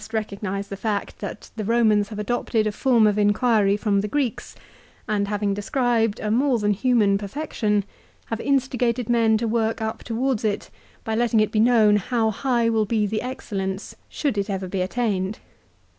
311 recognise the fact that the Eomans have adopted a form of inquiry from the Greeks, and, having described a more than human perfection, have instigated men to work up towards it by letting it be known how high will be the excellence should it ever be attained.